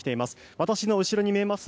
私の後ろに見えます